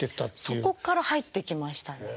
そこから入っていきましたね。